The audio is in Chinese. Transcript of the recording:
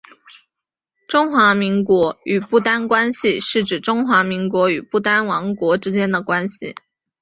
中华民国与不丹关系是指中华民国与不丹王国之间的关系。